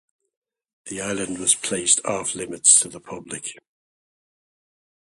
The island was placed off-limits to the public.